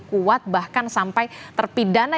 kuat bahkan sampai terpidana